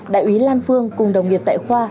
đại úy lan phương cùng đồng nghiệp tại khoa